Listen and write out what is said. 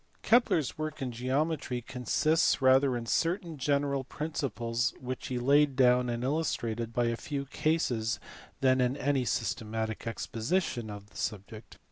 Kepler s work in geometry consists rather in certain general principles which he laid down and illustrated by a few cases than in any systematic exposition of the subject.